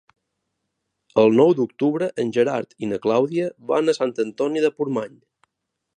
El nou d'octubre en Gerard i na Clàudia van a Sant Antoni de Portmany.